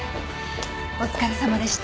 お疲れさまでした。